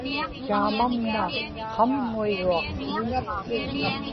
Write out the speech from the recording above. taamamna qamŋuiruaq